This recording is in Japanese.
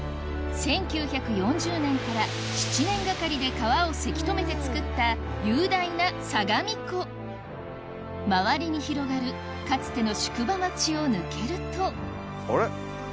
１９４０年から７年がかりで川をせき止めて造った雄大な相模湖周りに広がるかつての宿場町を抜けるとあれ？